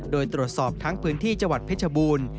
โดยตรวจสอบทั้งพื้นที่จังหวัดเพชรบูรณ์